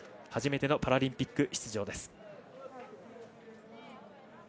初めてのパラリンピック出場です。